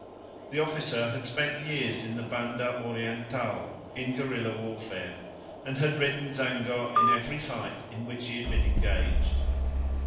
The officer had spent years in the Banda Oriental, in guerilla warfare, and had ridden Zango in every fight in which he had been engaged.